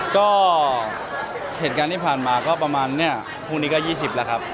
ก็เหตุการณ์ที่ผ่านมาก็ประมาณเนี่ยพรุ่งนี้ก็๒๐แล้วครับ